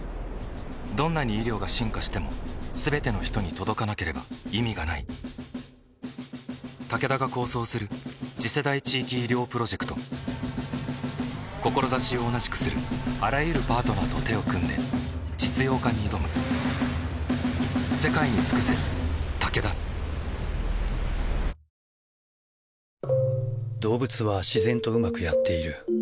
どんなに医療が進化しても全ての人に届かなければ意味がないタケダが構想する次世代地域医療プロジェクト志を同じくするあらゆるパートナーと手を組んで実用化に挑む僕たち兄弟が揃って劇団☆新感線の最新作『天號星』に出演します。